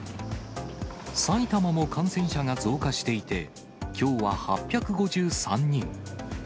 埼玉も感染者が増加していて、きょうは８５３人。